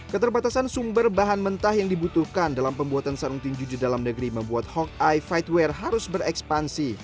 keterbatasan sumber bahan mentah yang dibutuhkan dalam pembuatan sarung tinju di dalam negeri membuat hawkeye fightwear harus berekspansi